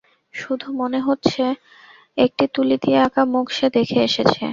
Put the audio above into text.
শুধু মনে আছে একটি তুলি দিয়ে আঁকা মুখ সে দেখে এসেছে।